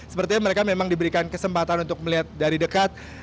sepertinya mereka memang diberikan kesempatan untuk melihat dari dekat